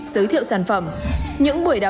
thứ nhất các bạn cần có cho mình một cái lý do